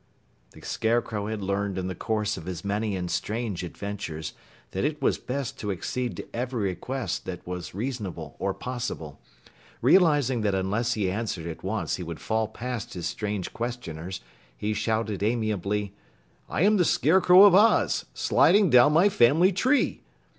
The Scarecrow had learned in the course of his many and strange adventures that it was best to accede to every request that was reasonable or possible. Realizing that unless he answered at once he would fall past his strange questioners, he shouted amiably: "I am the Scarecrow of Oz, sliding down my family tree!"